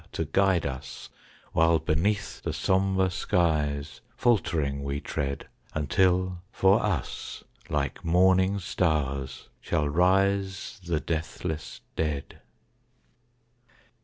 To guide us while beneath the sombre skies Faltering we tread, Until for us like morning stars shall rise The deathless dead.